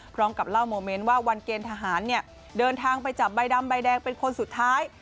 พร้อมกับเล่าโมเมนต์ว่าวันเกณฑ์ทหารเดินทางไปจับใบดำใบแดงเป็นคนสุดท้าย